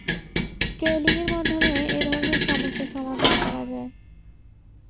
Scaling এর মাধ্যমে এধরনের সমস্যার সমাধান করা যায়।